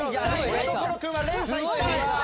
田所君は連鎖いきたい。